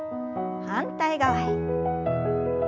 反対側へ。